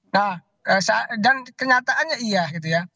nah dan kenyataannya iya gitu ya